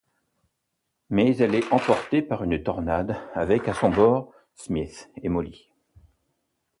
Mais elle est emportée par une tornade avec à son bord Smith et Molly.